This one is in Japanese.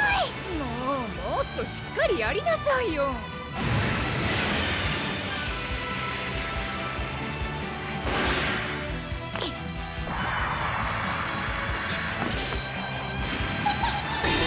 もうもっとしっかりやりなさいよハァー！